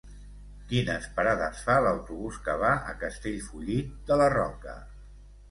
Quines parades fa l'autobús que va a Castellfollit de la Roca?